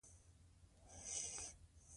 ایا تاسو د خپلو ژمنو تعقیب کوئ؟